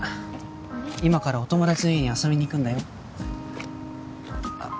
今からお友達の家に遊びに行くんだよあっ